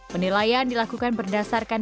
penilaian dilakukan berdasarkan